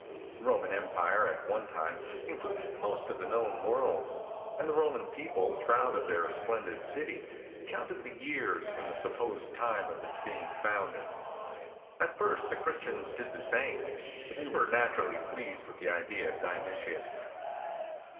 The Roman Empire at one time included most of the known world; and the Roman people, proud of their splendid city, counted the years from the supposed time of its being founded. At first the Christians did the same; but they were naturally pleased with the idea of Dionysius."